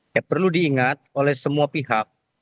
ya perlu diingat oleh semua pihak